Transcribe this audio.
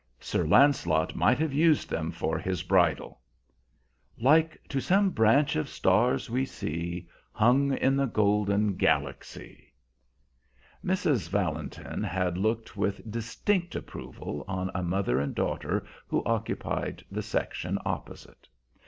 Sir Lancelot might have used them for his bridle "Like to some branch of stars we see Hung in the golden galaxy." Mrs. Valentin had looked with distinct approval on a mother and daughter who occupied the section opposite.